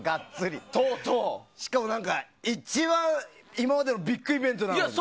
しかも一番今までビッグイベントなのに。